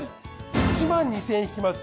１２，０００円引きます。